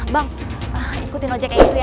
bang ikutin aja kayak gitu ya